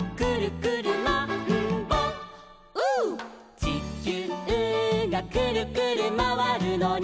「ちきゅうがくるくるまわるのに」